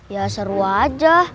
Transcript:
ya seru aja